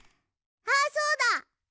あそうだ！